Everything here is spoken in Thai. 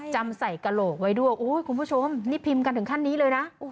จำใส่กระโหลกไว้ด้วยโอ้ยคุณผู้ชมนี่พิมพ์กันถึงขั้นนี้เลยนะ